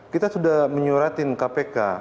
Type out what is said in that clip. kita sudah menyuratin kpk